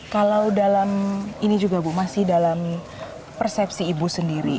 kalau dalam ini juga bu masih dalam persepsi ibu sendiri